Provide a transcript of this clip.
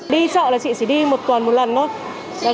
đi chợ là chị chỉ đi một tuần một lần thôi